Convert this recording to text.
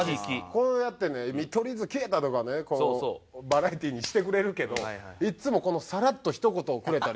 こうやってね「見取り図消えた！！」とかねこうバラエティにしてくれるけどいっつもこのサラッとひと言をくれたり。